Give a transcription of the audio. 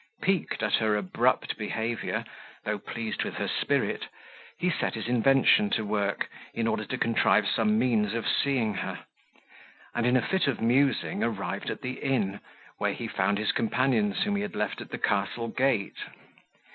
Piqued at her abrupt behaviour, though pleased with her spirit, he set his invention to work, in order to contrive some means of seeing her: and in a fit of musing arrived at the inn, where he found his companions, whom he had left at the castle gate.